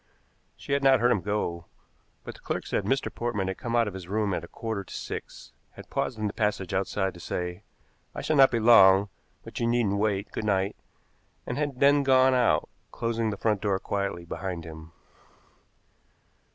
She had not heard him go, but the clerk said Mr. Portman had come out of his room at a quarter to six, had paused in the passage outside to say, "I shall not be long, but you needn't wait, good night," and had then gone out, closing the front door quietly behind him.